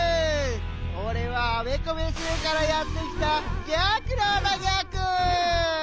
おれはあべこべせいからやってきたギャクラーだギャク！